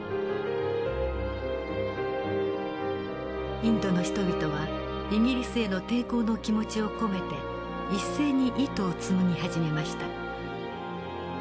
インドの人々はイギリスへの抵抗の気持ちを込めて一斉に糸を紡ぎ始めました。